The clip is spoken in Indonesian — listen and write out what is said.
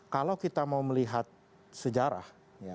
kalau kita mau melihat sejarah